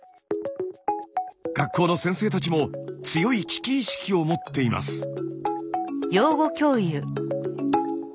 学校の先生たちも強い危機意識を持っています。